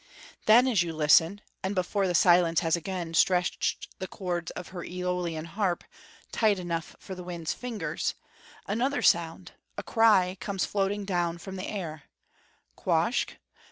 Then, as you listen, and before the silence has again stretched the chords of her Eolian harp tight enough for the wind's fingers, another sound, a cry, comes floating down from the air _Quoskh?